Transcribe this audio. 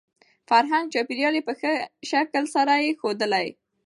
فرهنګ ،چاپېريال يې په ښه شکل سره يې ښودلى .